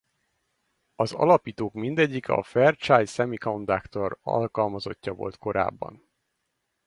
Az alapítók mindegyike a Fairchild Semiconductor alkalmazottja volt korábban.